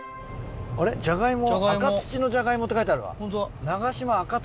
赤土のじゃがいもって書いてあるわ。